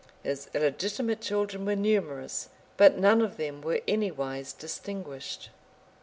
His illegitimate children were numerous; but none of them were anywise distinguished.